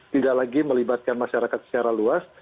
tidak lagi melibatkan masyarakat secara luas